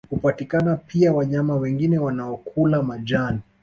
Hupatikana pia wanyama wengine wanaokula majani